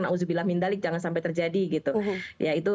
nauzubillah mindalik jangan sampai terjadi gitu